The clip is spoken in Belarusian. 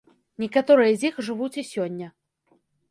Некаторыя з іх жывуць і сёння.